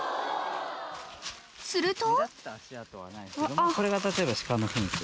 ［すると］